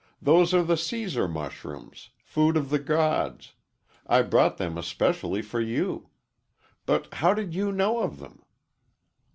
Those are the Cæsar mushrooms food of the gods I brought them especially for you. But how did you know of them?"